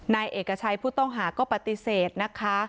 นายเอกชัยผู้ต้องหาก็ปฏิเสธนะคะ